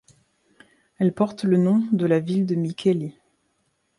Elle porte le nom de la ville de Mikkeli.